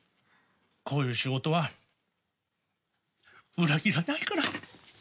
こういう仕事は裏切らないから。